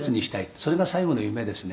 「それが最後の夢ですね」